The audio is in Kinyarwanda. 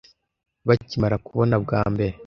bakimara kubona bwa mbere